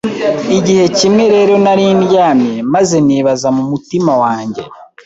Igihe kimwe rero nari ndyamye maze nibaza mu mutima wanjye